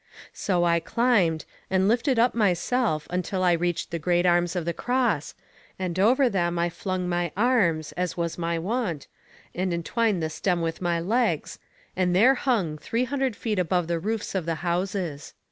So I climbed, and lifted up myself until I reached the great arms of the cross, and over them I flung my arms, as was my wont, and entwined the stem with my legs, and there hung, three hundred feet above the roofs of the houses.